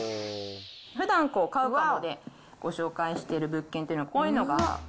ふだんカウカモでご紹介してる物件っていうのはこういうのがあって。